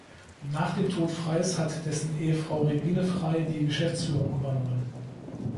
Nach dem Tod Freys hat dessen Ehefrau Regine Frey die Geschäftsführung übernommen.